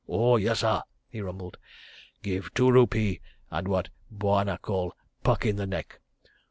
"Oh, yessah!" he rumbled. "Give two rupee and what Bwana call 'puck in the neck.